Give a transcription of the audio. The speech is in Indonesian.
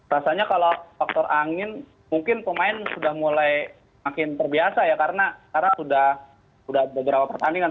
rasanya kalau faktor angin mungkin pemain sudah mulai makin terbiasa ya karena sudah beberapa pertandingan